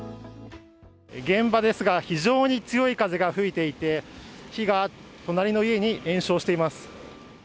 現場ですが、非常に強い風が吹いていて火が隣の家に延焼しています。